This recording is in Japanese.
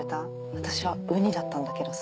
私はウニだったんだけどさ。